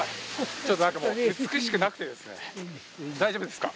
ちょっとなんか、美しくなくてですね、大丈夫ですか？